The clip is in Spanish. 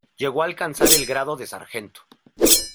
Llegó a alcanzar el grado de sargento.